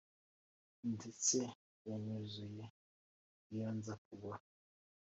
ndetse yanyuzuye iyo nza kugwa.